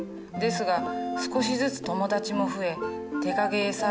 ですが少しずつ友達も増え手影絵